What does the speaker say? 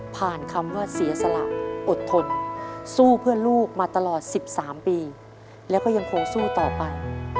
คำว่าเสียสละอดทนสู้เพื่อลูกมาตลอด๑๓ปีแล้วก็ยังคงสู้ต่อไป